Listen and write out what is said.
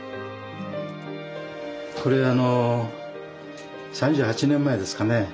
これあの３８年前ですかね。